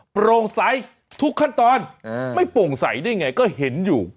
โปร่งใสทุกขั้นตอนไม่โปร่งใสได้ไงก็เห็นอยู่